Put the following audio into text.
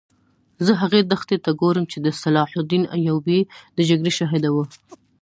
زه هغې دښتې ته ګورم چې د صلاح الدین ایوبي د جګړې شاهده وه.